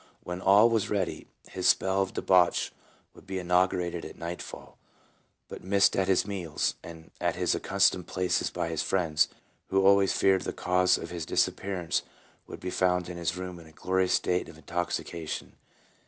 When all was ready his spell of debauch would be inaugurated at nightfall. Being missed at his meals, and at his accustomed places by his friends, who always feared the cause of his disappearance, he would be found in his room in a glorious state of intoxica tion.